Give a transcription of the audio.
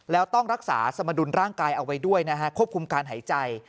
แล้วต้องรักษาสมดุลร่างกายเอาไว้ด้วยนะฮะควบคุมการหายใจ